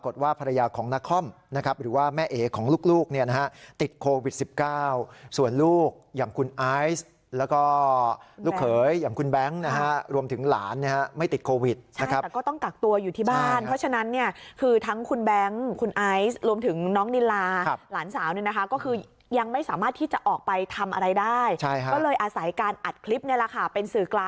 ติดโควิดสิบเก้าส่วนลูกอย่างคุณไอซ์แล้วก็ลูกเขยอย่างคุณแบงค์นะฮะรวมถึงหลานนะฮะไม่ติดโควิดนะครับใช่แต่ก็ต้องกักตัวอยู่ที่บ้านเพราะฉะนั้นเนี่ยคือทั้งคุณแบงค์คุณไอซ์รวมถึงน้องนิลาหลานสาวหนึ่งนะฮะก็คือยังไม่สามารถที่จะออกไปทำอะไรได้ใช่ฮะก็เลยอาศัยการอัดคลิปนี่แหล